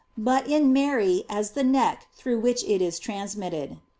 15 but in Mary as the neck through which it is trans mitted.